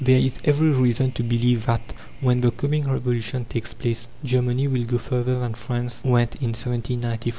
There is every reason to believe that, when the coming Revolution takes place, Germany will go further than France went in 1793.